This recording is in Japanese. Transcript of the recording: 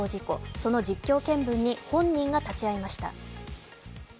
その実況見分に本人が立ち会いました。